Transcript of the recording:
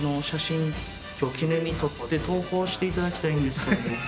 今日記念に撮って投稿して頂きたいんですけども。